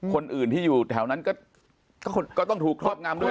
คนอื่นที่อยู่แถวนั้นก็ต้องถูกครอบงำด้วย